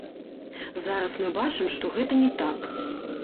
Зараз мы бачым, што гэта не так.